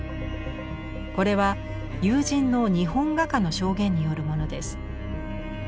これは友人の日本画家の証言によるものです。